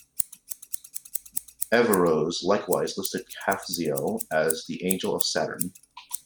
Averroes likewise listed Kafziel as the angel of Saturn.